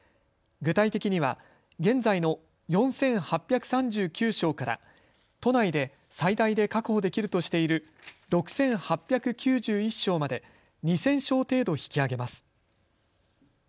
具体的には現在の４８３９床から都内で最大で確保できるとしている６８９１床まで２０００床程度、引き上げます。